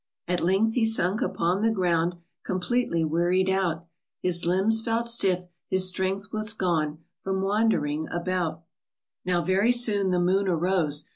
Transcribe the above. At length he sunk upon the ground Completely wearied out ; His limbs felt stiff, his strength was gone From wandering about. FRJSKY, THE SQUIRREL. Now very soon the moon arose.